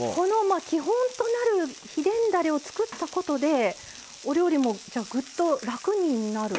基本となる秘伝だれを作ったことでお料理も、ぐっと楽になる。